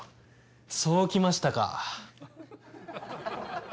そうきましたか。